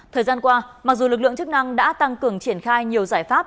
thời gian qua mặc dù lực lượng chức năng đã tăng cường triển khai nhiều giải pháp